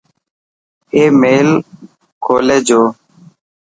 آي ميل کولي جو